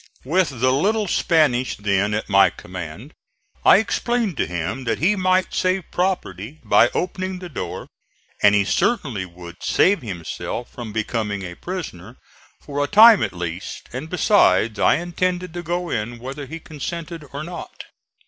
With the little Spanish then at my command, I explained to him that he might save property by opening the door, and he certainly would save himself from becoming a prisoner, for a time at least; and besides, I intended to go in whether he consented or not.